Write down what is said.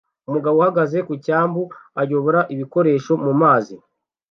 Umugabo uhagaze ku cyambu ayobora ibikoresho mu mazi